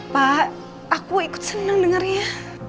pak aku ikut senang dengarnya